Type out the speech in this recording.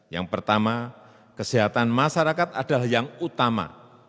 yang pertama kesehatan masyarakat adalah yang utama